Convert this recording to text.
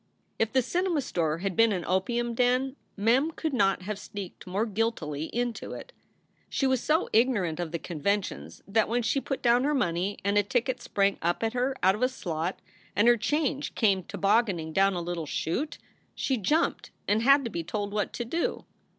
If the cinema store had been an opium den Mem could not have sneaked more guiltily into it. She was so ignorant of the conventions that when she put down her money and a ticket sprang up at her out of a slot, and her change came tobogganing down a little chute, she jumped and had to be told what to do.